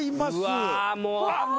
うわもう。